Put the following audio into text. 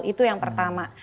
itu yang pertama